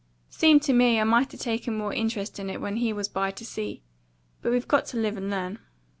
Seemed to me I might 'a taken more interest in it when he was by to see; but we've got to live and learn.